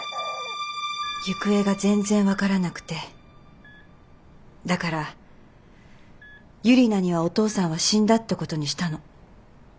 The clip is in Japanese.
行方が全然分からなくてだからユリナにはお父さんは死んだってことにしたの。